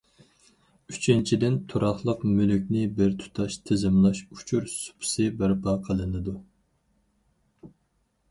ئۈچىنچىدىن، تۇراقلىق مۈلۈكنى بىر تۇتاش تىزىملاش ئۇچۇر سۇپىسى بەرپا قىلىنىدۇ.